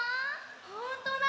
ほんとだ